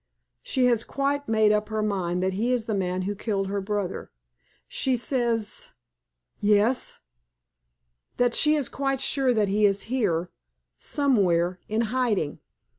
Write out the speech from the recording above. She has quite made up her mind that he is the man who killed her brother. She says " "Yes " "That she is quite sure that he is here somewhere in hiding.